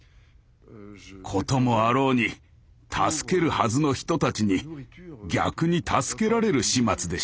こともあろうに助けるはずの人たちに逆に助けられる始末でした。